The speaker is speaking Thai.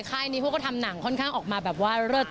ค่ายนี้เขาก็ทำหนังค่อนข้างออกมาแบบว่าเลิศ